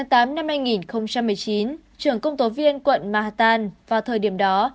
tháng tám năm hai nghìn một mươi chín trưởng công tố viên quận mahatan vào thời điểm đó